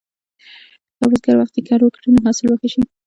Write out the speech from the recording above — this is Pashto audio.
که بزګر وختي کر وکړي، نو حاصل به ښه شي.